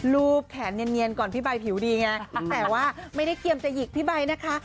รูปแขนเนียนก่อนพี่ใบผิวดีไงแต่ว่าไม่ได้เตรียมจะหยิกพี่ใบนะคะ